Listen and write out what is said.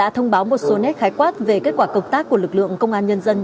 đã thông báo một số nét khái quát về kết quả công tác của lực lượng công an nhân dân